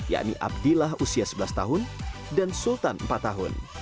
yakni abdillah usia sebelas tahun dan sultan empat tahun